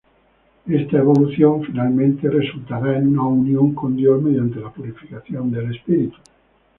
Esta evolución finalmente resultará en una unión con Dios mediante la purificación del espíritu.